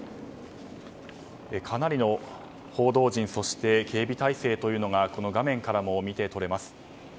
かなりの報道陣そして警備態勢というのがこの画面からも見て取れます。